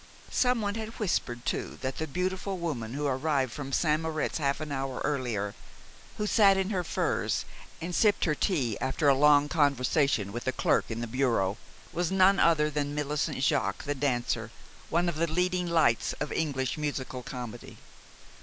Someone had whispered too that the beautiful woman who arrived from St. Moritz half an hour earlier, who sat in her furs and sipped her tea after a long conversation with a clerk in the bureau, was none other than Millicent Jaques, the dancer, one of the leading lights of English musical comedy.